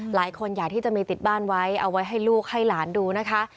หลายคนอยากที่จะมีติดบ้านไว้เอาไว้ให้ลูกให้หลานดูนะคะ